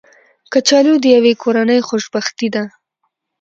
کچالو د یوې کورنۍ خوشبختي ده